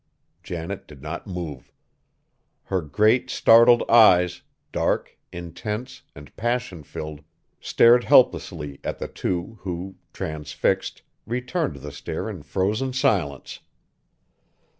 Janet did not move. Her great, startled eyes, dark, intense, and passion filled, stared helplessly at the two, who, transfixed, returned the stare in frozen silence.